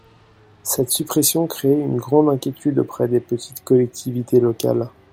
Cette suppression crée une grande inquiétude auprès des petites collectivités locales.